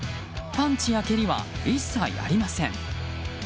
パンチや蹴りは一切ありません。